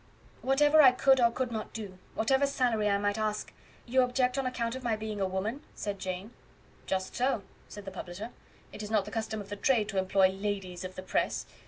"Whatever I could or could not do whatever salary I might ask you object on account of my being a woman?" said Jane. "Just so," said the publisher; "it is not the custom of the trade to employ LADIES OF THE PRESS.